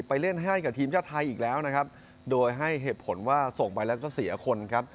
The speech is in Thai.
ไปเล่นไห้กับทีมชาไทยอีกแล้วโดยเหตุผลว่าส่งไปแล้วก็เสียคน